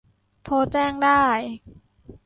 โทรแจ้งได้